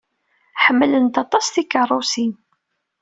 Ḥemmlent aṭas tikeṛṛusin.